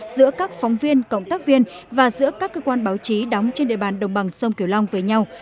giữa các phóng viên cộng tác viên và giữa các cơ quan báo chí đóng trên địa bàn đồng bằng sông kiều long với nhau